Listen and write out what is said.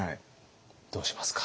どうしますか？